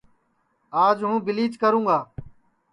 آج ہوں بیلیچ کروں گا